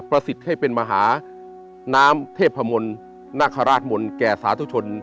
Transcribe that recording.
ประสิทธิ์ให้เป็นมหาน้ำเทพภมลนักฮราชมลแก่สาธุชน